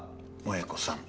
萠子さん。